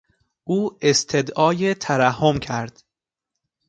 او استدعای ترحم کرد